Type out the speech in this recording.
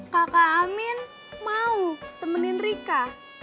kakak amin mau temenin rika